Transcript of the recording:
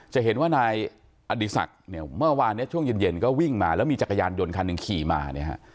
จะเห็นว่านายอดิสักเมื่อวานช่วงเย็นก็วิ่งมาแล้วมีจักรยานยนต์คันหนึ่งขี่มา